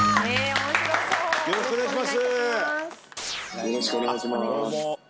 よろしくお願いします